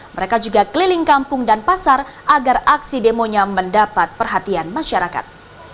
mereka juga keliling kampung dan pasar agar aksi demonya mendapat perhatian masyarakat